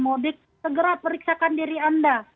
mudik segera periksakan diri anda